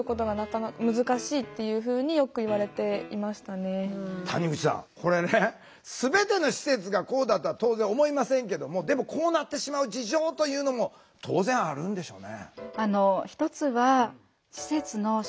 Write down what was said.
結局は集団生活になるので谷口さんこれね全ての施設がこうだとは当然思いませんけどもでもこうなってしまう事情というのも当然あるんでしょうね。